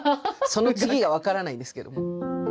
その次が分からないんですけど。